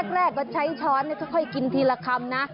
แรกก็ใช้ช้อนค่อยกินทีละคำนะ